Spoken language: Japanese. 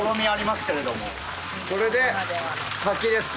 これで滝ですか？